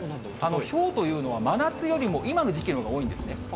ひょうというのは、真夏よりも今の時期のほうが多いんですね。